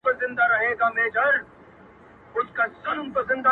تا چي پر لمانځه له ياده وباسم.